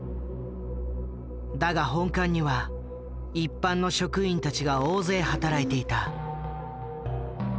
だが本館には一般の職員たちが大勢働いていた。